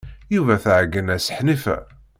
Yuba tɛeggen-as Ḥnifa.